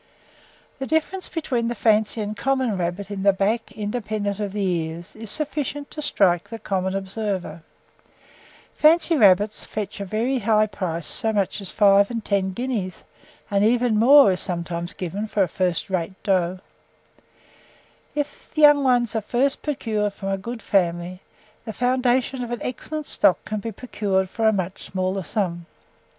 The difference between the fancy and common rabbit in the back, independent of the ears, is sufficient to strike the common observer. Fancy rabbits fetch a very high price; so much as five and ten guineas, and even more, is sometimes given for a first rate doe. If young ones are first procured from a good family, the foundation of an excellent stock can be procured for a much smaller sum.